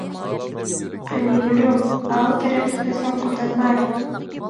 -قېنى يۈرۈڭ، ئاۋۇ تەرەپتە بىزنىڭ قوتان بار.